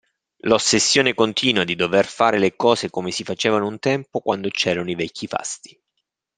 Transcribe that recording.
L'ossessione continua di dover fare le cose come si facevano un tempo, quando c'erano i vecchi fasti.